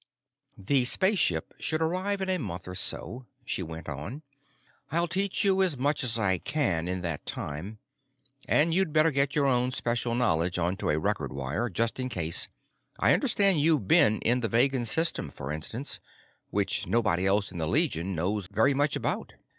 "The spaceship should arrive in a month or so," she went on. "I'll teach you as much as I can in that time. And you'd better get your own special knowledge onto a record wire, just in case. I understand you've been in the Vegan System, for instance, which nobody else in the Legion knows very much about."